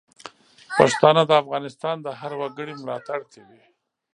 پښتانه د افغانستان د هر وګړي ملاتړ کوي.